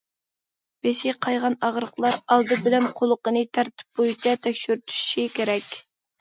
بېشى قايغان ئاغرىقلار ئالدى بىلەن قۇلىقىنى تەرتىپ بويىچە تەكشۈرتۈشى كېرەك.